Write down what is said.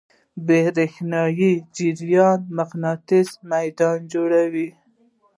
برېښنایی جریان مقناطیسي میدان جوړوي.